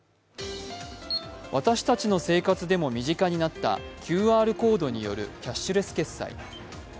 私たちの生活でも身近なになったＱＲコードによるキャッシュレス決済。